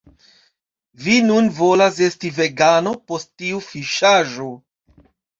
Vi nun volas esti vegano post tiu fiŝaĵo